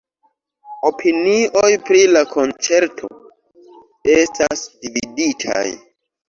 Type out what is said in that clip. Opinioj pri la konĉerto estas dividitaj.